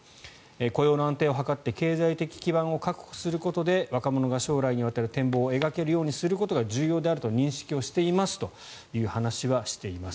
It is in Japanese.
雇用の安定を図って経済的基盤を確保することで若者が将来にわたる展望を描けるようにすることが重要であると認識していますという話をしています。